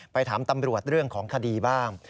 ถามตำรวจเรื่องของคดีบ้าง